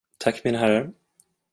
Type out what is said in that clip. Tack, mina herrar.